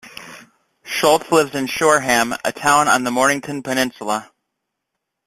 Schultz lives in Shoreham, a town on the Mornington Peninsula.